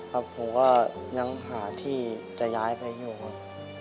ผมก็ยังหาที่จะย้ายไปอยู่ครับ